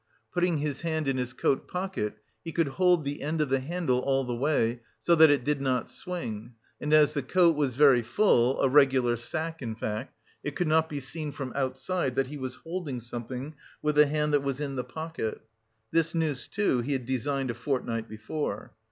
Putting his hand in his coat pocket, he could hold the end of the handle all the way, so that it did not swing; and as the coat was very full, a regular sack in fact, it could not be seen from outside that he was holding something with the hand that was in the pocket. This noose, too, he had designed a fortnight before.